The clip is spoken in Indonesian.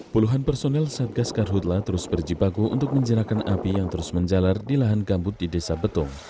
puluhan personel satgas karhutla terus berjibaku untuk menjerakan api yang terus menjalar di lahan gambut di desa betong